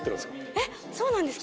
えっそうなんですか？